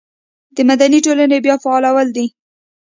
د مدني ټولنې بیا فعالول دي.